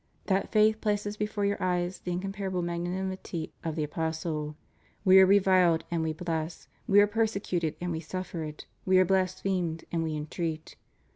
That faith places before your eyes the incomparable magnanimity of the Apostle. We are reviled and we bless; we are persecuted and we suffer it; we are blasphemed and we entreat.